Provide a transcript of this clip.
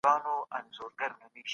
پوهه او معلومات نوي پانګه ده.